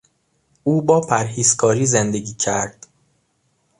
او با پرهیزکاری زندگی کرد.